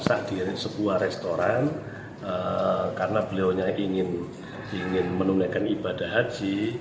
masa diri sebuah restoran karena beliau ingin menunjukan ibadah haji